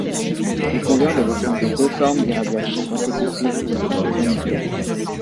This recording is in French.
Il convient de distinguer deux formes d'irradiations consécutives aux explosions nucléaires.